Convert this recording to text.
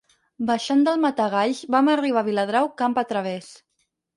Baixant del Matagalls vam arribar Viladrau camp a través.